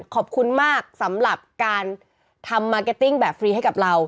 ขอบคุณมากสำหรับการทำมาร์เก็ตติ้งแบบฟรีให้กับเรา